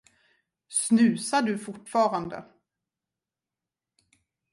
Snusar du fortfarande.